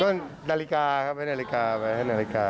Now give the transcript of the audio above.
ก็นาฬิกาครับไว้นาฬิกาไว้ให้นาฬิกา